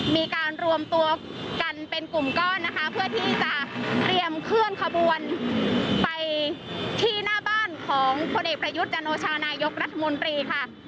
มีการรวมตัวกันเป็นกลุ่มก้อนนะคะเพื่อที่จะเตรียมเคลื่อนขบวนไปที่หน้าบ้านของพลเอกประยุทธ์จันโอชานายกรัฐมนตรีค่ะ